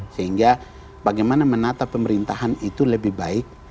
sehingga bagaimana menata pemerintahan itu lebih baik